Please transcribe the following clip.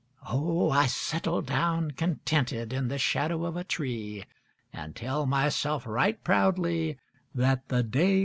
Oh, I settle down contented in the shadow of a tree, An' tell myself right proudly that the day was made fer me.